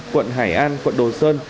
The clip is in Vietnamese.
quận hải an quận đồ sơn